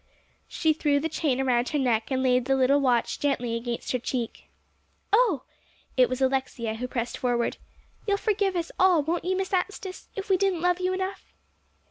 She threw the chain around her neck; and laid the little watch gently against her cheek. "Oh!" It was Alexia who pressed forward. "You'll forgive us all, won't you, Miss Anstice, if we didn't love you enough?"